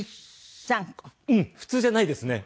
うん普通じゃないですね。